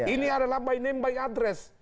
ini adalah by name by address